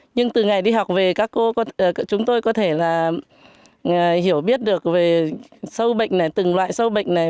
nhưng từ ngày đi học về chúng tôi có thể hiểu biết được về sâu bệnh này từng loại sâu bệnh này